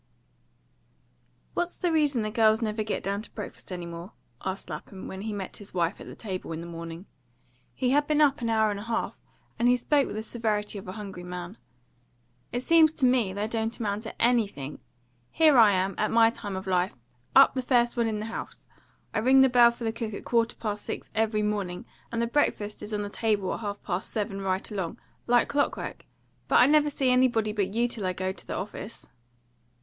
"WHAT's the reason the girls never get down to breakfast any more?" asked Lapham, when he met his wife at the table in the morning. He had been up an hour and a half, and he spoke with the severity of a hungry man. "It seems to me they don't amount to ANYthing. Here I am, at my time of life, up the first one in the house. I ring the bell for the cook at quarter past six every morning, and the breakfast is on the table at half past seven right along, like clockwork, but I never see anybody but you till I go to the office."